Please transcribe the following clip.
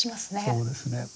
そうですね。